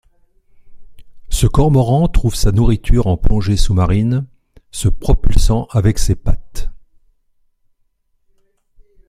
Ce cormoran trouve sa nourriture en plongée sous-marine, se propulsant avec ses pattes.